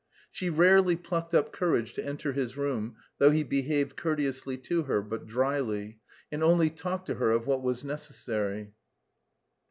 She rarely plucked up courage to enter his room, though he behaved courteously to her, but dryly, and only talked to her of what was necessary.